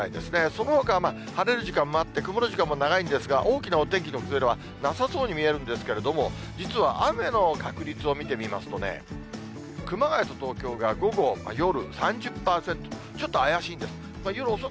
そのほかは晴れる時間もあって、曇る時間も長いんですが、大きなお天気の崩れはなさそうに見えるんですけれども、実は雨の確率を見てみますとね、熊谷と東京が午後、夜、３０％、ちょっと怪しいんです。